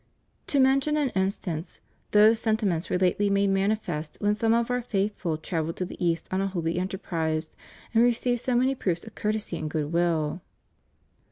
To mention an instance, those senti ments were lately made manifest when some of Our faith ful travelled to the East on a holy enterprise, and received so many proofs of courtesy and good will.